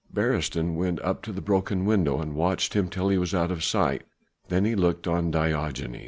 Beresteyn went up to the broken window and watched him till he was out of sight, then he looked on Diogenes.